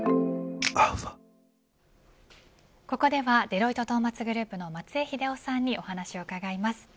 ここではデロイトトーマツグループの松江英夫さんにお話を伺います。